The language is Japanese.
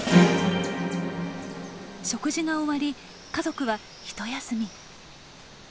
食事が終わり家族はひと休み。